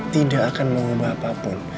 tidak akan mengubah apapun